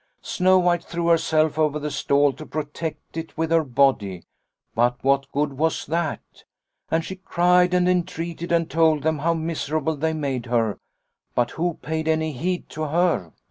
" Snow White threw herself over the stall to protect it with her body. But what good was that ? And she cried and entreated and told them how miserable they made her, but who paid any heed to her